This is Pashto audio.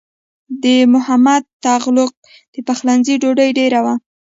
د محمد تغلق د پخلنځي ډوډۍ ډېره وه.